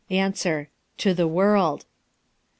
To the world. Q.